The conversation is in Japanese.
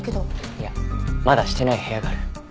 いやまだしてない部屋がある。